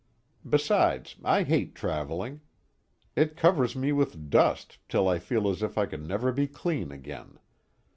Besides, I hate travelling. It covers me with dust till I feel as if I could never be clean again.